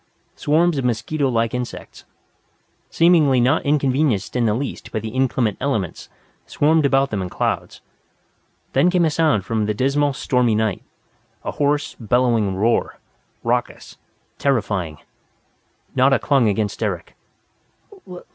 Swarms of mosquito like insects, seemingly not inconvenienced in the least by the inclement elements, swarmed about them in clouds. Then came a sound from the dismal stormy night, a hoarse, bellowing roar, raucous, terrifying. Nada clung against Eric.